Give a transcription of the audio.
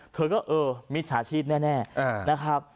เธอก็เออมิจฉาชีพแน่นะครับ